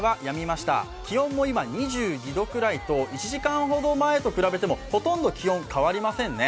気温も今、２２度ぐらいと、１時間ほど前と比べてもほとんど気温変わりませんね。